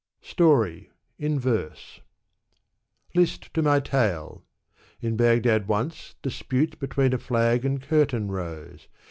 '' Story, (in verse.) list to my tale I In Baghdad once, dispute Between a flag and curtain rose.